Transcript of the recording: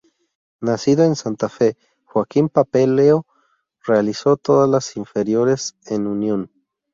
Nacido en Santa Fe, Joaquín Papaleo realizó todas las inferiores en Unión.